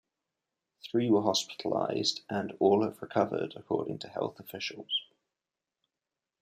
Three were hospitalized, and all have recovered, according to health officials.